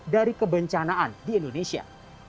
dari kebencanaan di indonesia